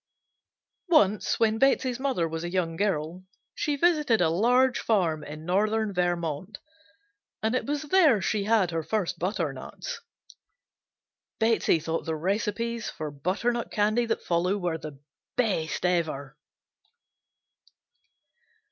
Once when Betsey's mother was a young girl she visited a large farm in northern Vermont and it was there she had her first butternuts. Betsey thought the recipes for butternut candy that follow were the best ever.